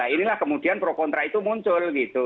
inilah kemudian pro kontra itu muncul gitu